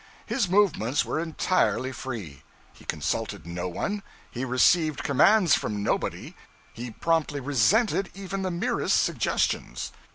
His movements were entirely free; he consulted no one, he received commands from nobody, he promptly resented even the merest suggestions.